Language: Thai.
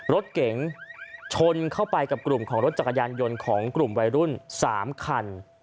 รถเก๋งชนเข้าไปกับกลุ่มของรถจักรยานยนต์ของกลุ่มวัยรุ่น๓คัน